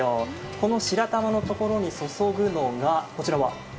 この白玉のところに注ぐのがこちらは？